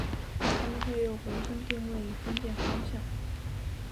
它们会用回声定位以分辨方向。